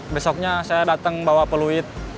besoknya saya datang bawa peluit